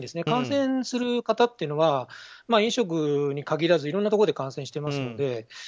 感染する方というのは飲食に限らずいろんなところで感染していますので。